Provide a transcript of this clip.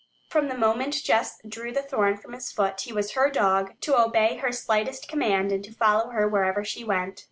From the moment Jess drew the thorn from his foot he was her dog, to obey her slightest command and to follow her wherever she went.